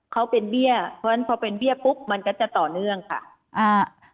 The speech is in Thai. เขาเป็นเบี้ยเพราะฉะนั้นพอเป็นเบี้ยปุ๊บมันก็จะต่อเนื่องค่ะอ่า